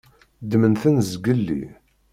Ddmen-ten zgelli.